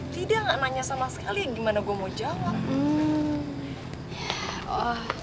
tidak nggak nanya sama sekali gimana gue mau jawab